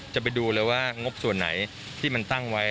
จะไปดูเลยว่างบส่วนไหนที่มันตั้งไว้